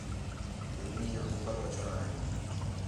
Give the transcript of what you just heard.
کہ مین٘ہ آ کُکر بچݨاں ہِے